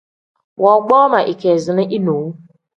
Woogboo ma ikeezina inewu.